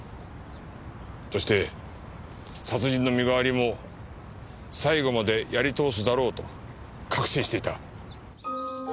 そして殺人の身代わりも最後までやり通すだろうと確信していた。